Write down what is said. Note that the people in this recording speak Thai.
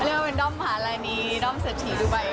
เรียกว่าเป็นด้อมหาราณีด้อมเศรษฐีดูบัย